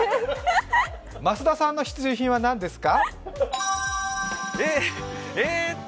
増田さんの必需品はなんですか？